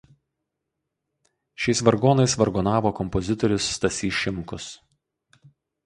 Šiais vargonais vargonavo kompozitorius Stasys Šimkus.